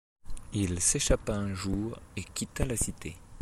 Il s'échappa un jour et quitta la cité.